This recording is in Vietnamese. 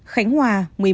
khánh hòa một mươi một